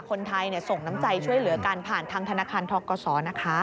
คนไทยส่งน้ำใจช่วยเหลือกันผ่านทางธนาคารทกศนะคะ